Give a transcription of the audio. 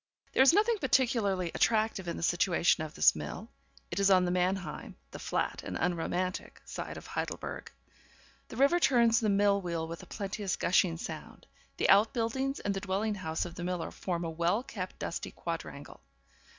There is nothing particularly attractive in the situation of this mill; it is on the Mannheim (the flat and unromantic) side of Heidelberg. The river turns the mill wheel with a plenteous gushing sound; the out buildings and the dwelling house of the miller form a well kept dusty quadrangle.